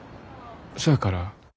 そやから。